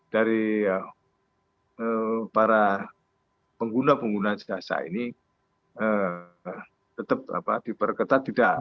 dari para pengguna penggunaan jasa ini tetap diperketat tidak